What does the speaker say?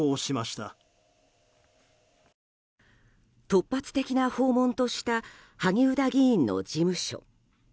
突発的な訪問とした萩生田議員の事務所。